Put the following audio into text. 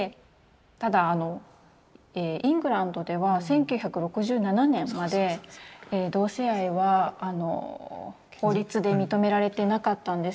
ただイングランドでは１９６７年まで同性愛は法律で認められてなかったんですね。